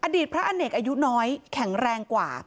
อดีตพระอเนกอายุน้อยแข็งแรงกว่า